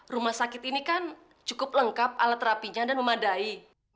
rumah sakit ini kan cukup lengkap alat terapinya dan memadai